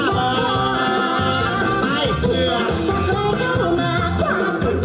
ไม่ติดเสียแอ๊ะแอ๊ะตบให้สร้างตบ